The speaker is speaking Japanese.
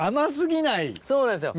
そうなんですよ。